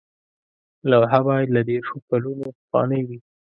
لوحه باید له دیرشو کلونو پخوانۍ وي.